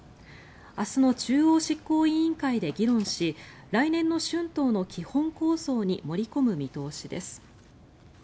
明日の中央執行委員会で議論し来年の春闘の基本構想に盛り込む方針です。